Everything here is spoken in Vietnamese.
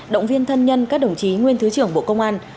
động viên thân nhân các đồng chí nguyên thứ trưởng bộ công an